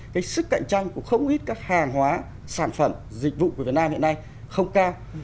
cái sức cạnh tranh của không ít các hàng hóa sản phẩm dịch vụ của việt nam hiện nay không cao